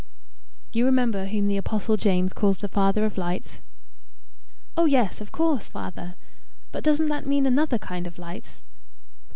You remember whom the apostle James calls the Father of Lights?" "Oh yes, of course, father. But doesn't that mean another kind of lights?"